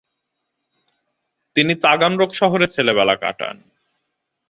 তিনি তাগানরোগ শহরে ছেলেবেলা কাটান।